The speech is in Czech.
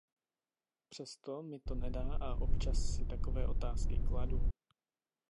Přesto mi to nedá a občas si takové otázky kladu.